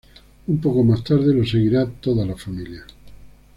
Un poco más tarde lo seguirá toda la familia.